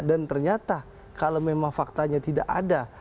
dan ternyata kalau memang faktanya tidak ada